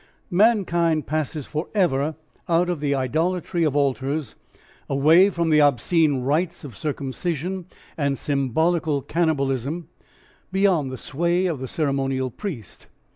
Mankind passes for ever out of the idolatry of altars, away from the obscene rites of circumcision and symbolical cannibalism, beyond the sway of the ceremonial priest.